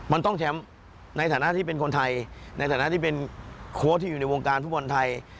มันต้องแชมป์ในฐานะที่เป็นคนไทยในฐานะที่เป็นโค้ชที่อยู่ในวงการฟุตบอลไทย